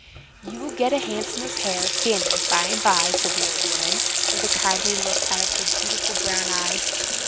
"You will get a handsomer pair of sandals by and by," said the old woman, with a kindly look out of her beautiful brown eyes.